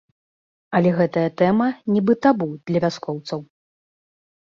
Але гэтая тэма нібы табу для вяскоўцаў.